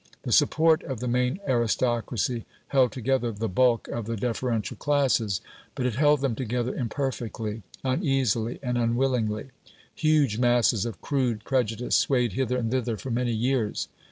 The support of the main aristocracy held together the bulk of the deferential classes, but it held them together imperfectly, uneasily, and unwillingly. Huge masses of crude prejudice swayed hither and thither for many years.